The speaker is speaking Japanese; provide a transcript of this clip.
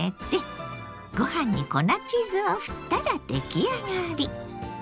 ご飯に粉チーズをふったら出来上がり。